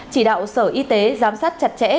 chỉ đạo sở y tế giám sát chặt chẽ